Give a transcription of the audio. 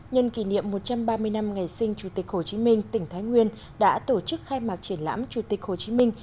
nhân kỷ niệm một trăm ba mươi năm ngày sinh chủ tịch hồ chí minh tỉnh thái nguyên đã tổ chức khai mạc triển lãm chủ tịch hồ chí minh